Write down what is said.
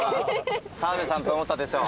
澤部さんと思ったでしょ。